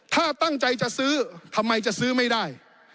ถ้าตั้งใจจะซื้อทำไมจะซื้อไม่ได้